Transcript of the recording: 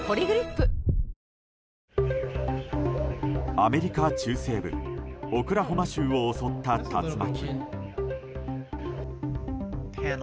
アメリカ中西部オクラホマ州を襲った竜巻。